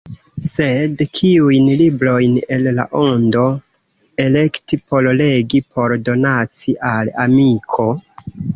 Sed kiujn librojn el la ondo elekti por legi, por donaci al amiko?